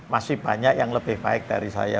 masih banyak yang lebih baik dari saya